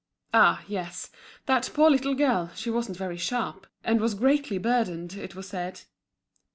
Ah! yes, that poor little girl; she wasn't very sharp, and was greatly burdened, it was said.